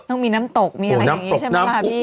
ต้องมีน้ำตกมีอะไรอย่างนี้ใช่ไหมคะพี่